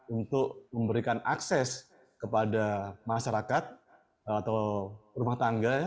untuk memberikan akses kepada masyarakat atau rumah tangga